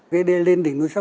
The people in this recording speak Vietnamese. vậy đây lên đỉnh núi sóc